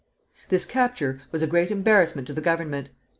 This capture was a great embarrassment to the Government.